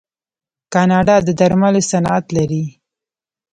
کاناډا د درملو صنعت لري.